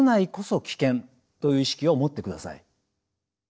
という意識を持ってください。